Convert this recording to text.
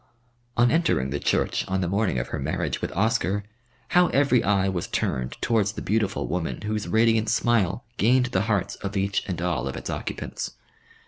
On entering the church on the morning of her marriage with Oscar, how every eye was turned towards the beautiful woman whose radiant smile gained the hearts of each and all of its occupants.